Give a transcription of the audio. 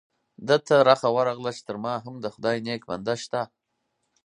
ده ته رخه ورغله چې تر ما هم د خدای نیک بنده شته.